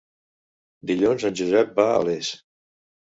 Dilluns en Josep va a Les.